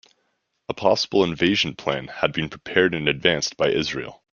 A possible invasion plan had been prepared in advance by Israel.